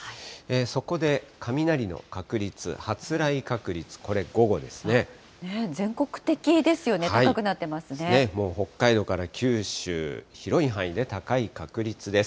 そこで雷の確率、全国的ですよね、高くなってもう北海道から九州、広い範囲で高い確率です。